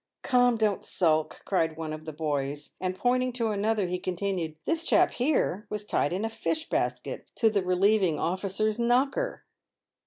" Come, don't sulk," cried one of the boys ; and, pointing to an other, he continued :" This chap, here, was tied in a fish basket to the relieving officer's knocker."